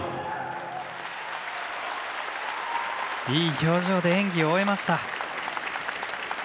いい表情で演技を終えました。